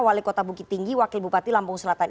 wali kota bukit tinggi wakil bupati lampung selatan